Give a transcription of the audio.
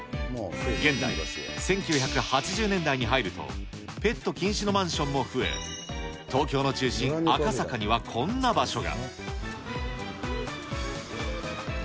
現代、１９８０年代に入るとペット禁止のマンションも増え、東京の中心、赤坂にはこんな場所が。